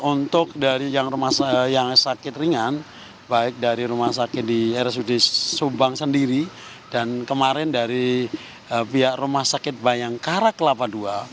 untuk dari yang sakit ringan baik dari rumah sakit di rsud subang sendiri dan kemarin dari pihak rumah sakit bayangkara kelapa ii